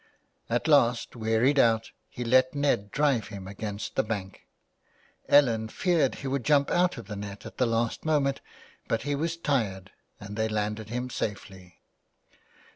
At last wearied out he let Ned drive him against the bank. Ellen feared he would jump out of the net at the last moment, but he was tired and they landed him safely.